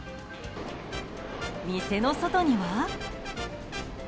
店の外には。